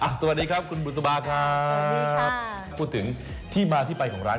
หวัดดีครับกูฐบาครับ